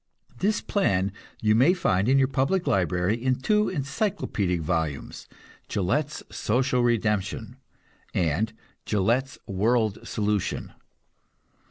This plan you may find in your public library in two encyclopedic volumes, "Gillette's Social Redemption," and "Gillette's World Solution."